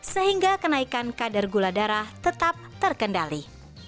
sehingga kenaikan kadar gula darah tetap terkendali